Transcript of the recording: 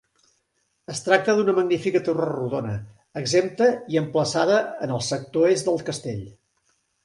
Es tracta d'una magnífica torre rodona, exempta i emplaçada en el sector est del castell.